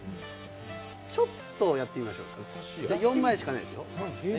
ちょっとやってみましょうか４枚しかないですよ。